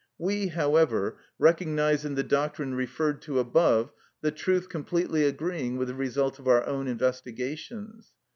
(91) We, however, recognise in the doctrine referred to above the truth completely agreeing with the result of our own investigations.